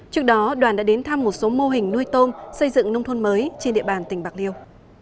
trước đó đoàn đã đến thăm một số mô hình nuôi tôm xây dựng nông thôn mới trên địa bàn tỉnh bạc liêu